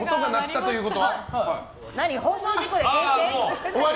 放送事故で中止？